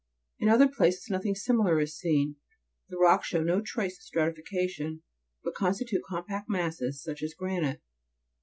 14. In other places nothing similar is seen ; the rocks show no trace of stratification, but constitute compact masses, such as granite.